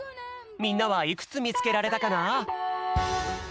みんなはいくつみつけられたかな？